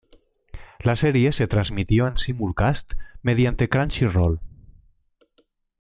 La serie se transmitió en simulcast mediante Crunchyroll.